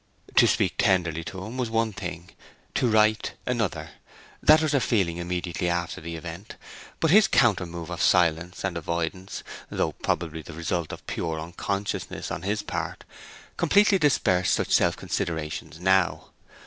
To speak tenderly to him was one thing, to write another that was her feeling immediately after the event; but his counter move of silence and avoidance, though probably the result of pure unconsciousness on his part, completely dispersed such self considerations now.